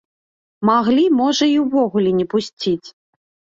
Маглі, можа, і ўвогуле не пусціць!